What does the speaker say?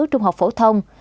trung học phổ thông